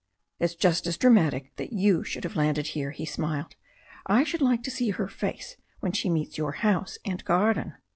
"It's just as dramatic that you should have landed here," he smiled. "I should like to see her face when she meets your house and garden."